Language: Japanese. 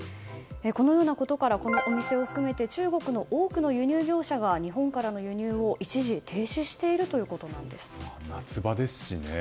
このようなことからこのお店を含めて中国の多くの輸入業者が日本からの輸入を夏場ですしね。